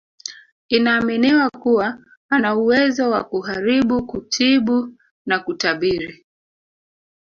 Inaaminiwa kuwa anauwezo wa kuharibu kutibu na kutabiri